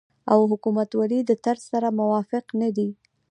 او حکومتولۍ د طرز سره موافق نه دي